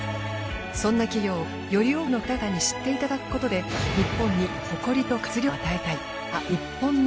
そんな企業をより多くの方々に知っていただくことで日本に誇りと活力を与えたい。